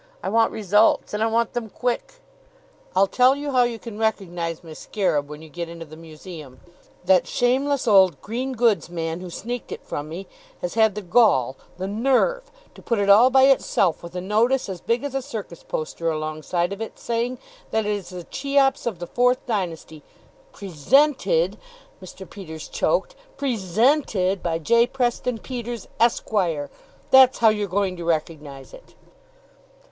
I want results and I want them quick! "I'll tell you how you can recognize my scarab when you get into the museum. That shameless old green goods man who sneaked it from me has had the gall, the nerve, to put it all by itself, with a notice as big as a circus poster alongside of it saying that it is a Cheops of the Fourth Dynasty, presented" Mr. Peters choked "presented by J. Preston Peters, Esquire! That's how you're going to recognize it."